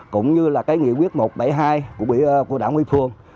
cũng như là cái nghị quyết một trăm bảy mươi hai của đảng ủy phường